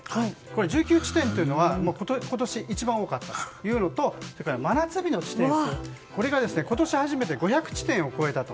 １９地点というのは今年一番多かったというのとそれから真夏日の地点が今年初めて５００地点を超えたと。